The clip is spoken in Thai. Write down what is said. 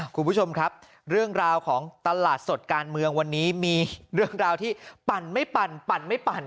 คุณผู้ชมครับเรื่องราวของตลาดสดการเมืองวันนี้มีเรื่องราวที่ปั่นไม่ปั่นปั่นไม่ปั่น